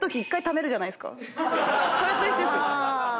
それと一緒です。